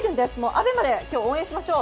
ＡＢＥＭＡで応援しましょう！